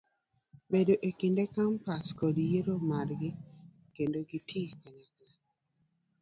Obedo ekinde kampens kod yiero margi kendo gitii kanyakla.